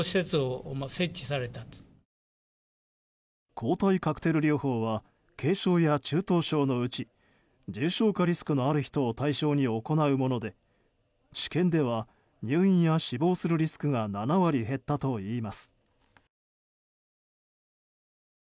抗体カクテル療法は軽症や中等症のうち重症化リスクがある人を対象に行うもので治験では入院や死亡するリスクが７割減ったといいます。